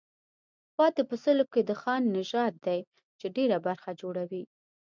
پاتې په سلو کې د خان نژاد دی چې ډېره برخه جوړوي.